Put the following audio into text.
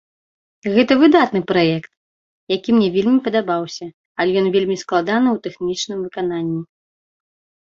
Гэта выдатны праект, які мне вельмі падабаўся, але ён вельмі складаны ў тэхнічным выкананні.